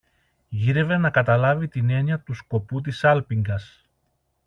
Γύρευε να καταλάβει την έννοια του σκοπού της σάλπιγγας